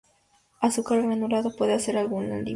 Azúcar granulado puede hacer algún alivio.